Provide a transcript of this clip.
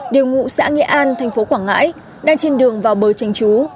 điều ngụ xã nghệ an thành phố quảng ngãi đang trên đường vào bờ tranh trú